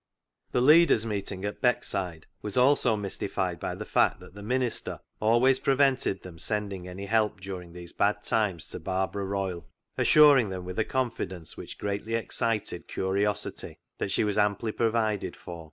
The Leaders' Meeting at Beckside was also mystified by the fact that the minister always 20 CLOG SHOP CHRONICLES prevented them sending any help during these bad times to Barbara Royle, assuring them with a confidence which greatly excited curiosity that she was amply provided for.